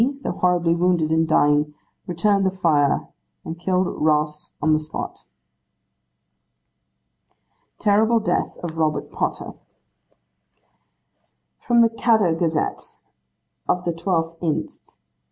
though horribly wounded, and dying, returned the fire, and killed Ross on the spot.' 'Terrible Death of Robert Potter. 'From the "Caddo Gazette," of the 12th inst.